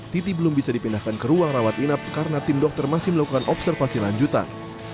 titi belum bisa dipindahkan ke ruang rawat inap karena tim dokter masih melakukan observasi lanjutan